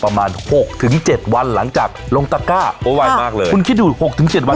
ประมาณหกถึงเจ็ดวันหลังจากลงตะก้าโอ้ไวมากเลยคุณคิดดูหกถึงเจ็ดวัน